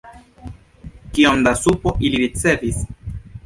Kiom da supo ili ricevis?